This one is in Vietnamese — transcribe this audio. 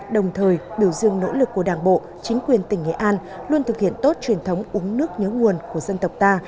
đồng thời biểu dương nỗ lực của đảng bộ chính quyền tỉnh nghệ an luôn thực hiện tốt truyền thống uống nước nhớ nguồn của dân tộc ta